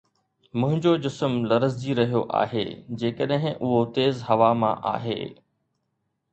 منهنجو جسم لرزجي رهيو آهي جيڪڏهن اهو تيز هوا مان آهي